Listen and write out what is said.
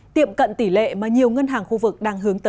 tiệm cận tỷ lệ mà nhiều ngân hàng khu vực đang hướng tới